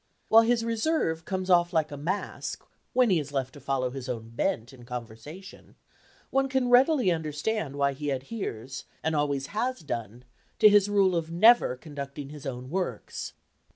While his reserve comes off like a mask when he is left to follow his own bent in conversation, one can readily understand why he adheres, and always has done, to his rule of never conducting his own works.